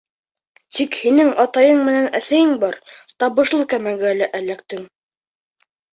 Тик һинең атайың менән әсәйең бар, табышлы кәмәгә лә эләктең.